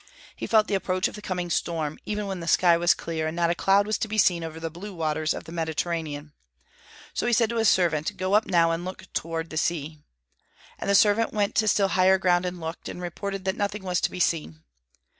He felt the approach of the coming storm, even when the sky was clear, and not a cloud was to be seen over the blue waters of the Mediterranean. So he said to his servant: "Go up now, and look toward the sea." And the servant went to still higher ground and looked, and reported that nothing was to be seen.